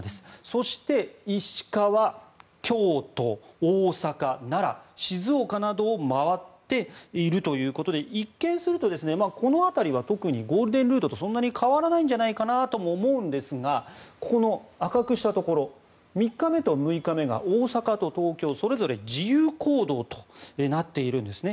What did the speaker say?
そして、石川、京都大阪、奈良、静岡などを回っているということで一見するとこの辺りは特にゴールデンルートとそんなに変わらないんじゃないかなとも思うんですがこの赤くしたところ３日目と６日目が大阪と東京それぞれ自由行動となっているんですね。